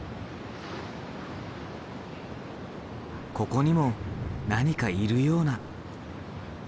ここにも何かいるような。